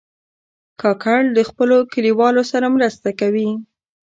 کاکړ د خپلو کلیوالو سره مرسته کوي.